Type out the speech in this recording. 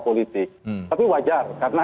politik tapi wajar karena